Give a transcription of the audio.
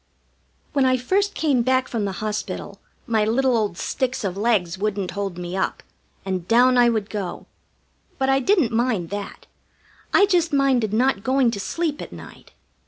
When I first came back from the hospital my little old sticks of legs wouldn't hold me up, and down I would go. But I didn't mind that. I just minded not going to sleep at night.